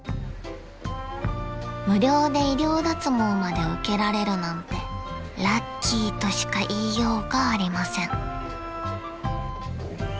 ［無料で医療脱毛まで受けられるなんてラッキーとしか言いようがありません］